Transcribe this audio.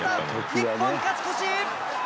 日本勝ち越し！